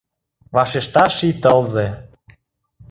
Вашешта ший тылзе.